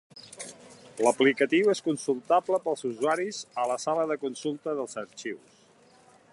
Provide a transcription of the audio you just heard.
L'aplicatiu és consultable pels usuaris a la sala de consulta dels arxius.